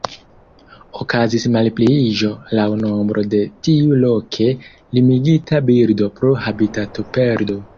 Okazis malpliiĝo laŭ nombro de tiu loke limigita birdo pro habitatoperdo.